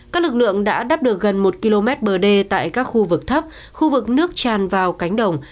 các lực lượng đã đắp được gần một km bờ đê tại các khu vực thấp khu vực nước tràn vào cánh đồng